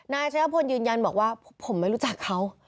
ชะยะพลยืนยันบอกว่าผมไม่รู้จักเขา